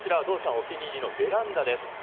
お気に入りのベランダです。